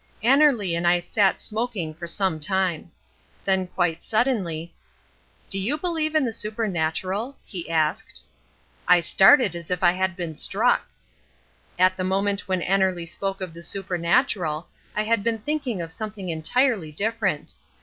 Annerly and I sat smoking for some time. Then quite suddenly— "Do you believe in the supernatural?" he asked. I started as if I had been struck. At the moment when Annerly spoke of the supernatural I had been thinking of something entirely different.